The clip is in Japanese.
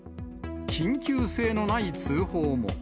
緊急性のない通報も。